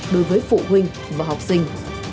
đối với phụ huynh và học sinh